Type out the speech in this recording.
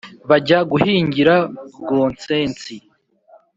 Bajya guhingira Gonsensi